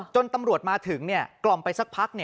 จนตำรวจมาถึงกล่อมไปสักพัก